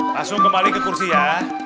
langsung kembali ke kursi ya